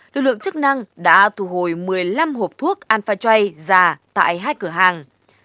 lực lượng chức năng đã thu hồi một mươi năm hộp thuốc alpha tray già tại hai cửa hàng